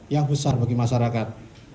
yang besar bagi masyarakat